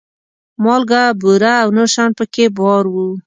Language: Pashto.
مالګه، بوره او نور شیان په کې بار وو.